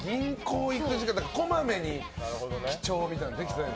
こまめに記帳みたいなのはできてない。